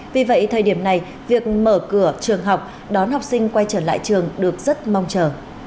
vì vậy thời điểm này việc mở cửa trường học đón học sinh quay trở lại trường được rất mong chờ